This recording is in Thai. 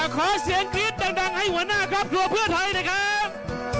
ขอเสียงกรี๊ดดังให้หัวหน้าครอบครัวเพื่อไทยหน่อยครับ